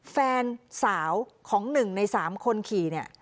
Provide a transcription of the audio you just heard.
แฟนสาวของ๑ใน๓คนขี่เนี่ย